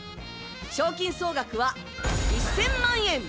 賞金総額は１０００万円。